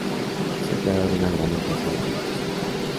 Es empleado de una gran empresa de comunicaciones.